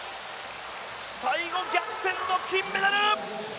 最後、逆転の金メダル！